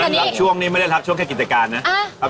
มันรับช่วงเงินครับ